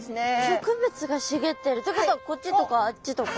植物が茂ってるってことはこっちとかあっちとか。